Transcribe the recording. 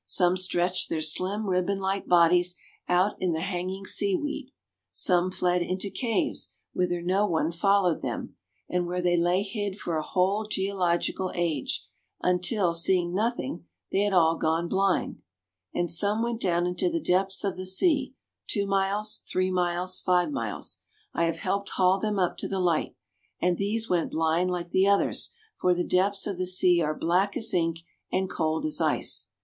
Some stretched their slim, ribbon like bodies out in the hanging sea weed. Some fled into caves, whither no one followed them, and where they lay hid for a whole geological age, until, seeing nothing, they had all gone blind. And some went down into the depths of the sea two miles, three miles, five miles I have helped haul them up to the light and these went blind like the others, for the depths of the sea are black as ink and cold as ice.